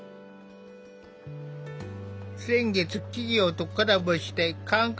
先月企業とコラボして感覚